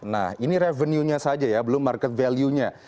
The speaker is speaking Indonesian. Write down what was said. nah ini revenue nya saja ya belum market value nya